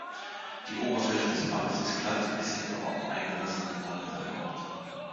Die Oberfläche des Balles ist glatt, es sind aber auch eingelassene Noppen erlaubt.